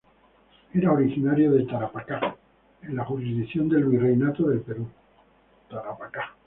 Era originario de Tarapacá, en la jurisdicción del Virreinato del Perú.